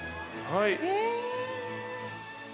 はい。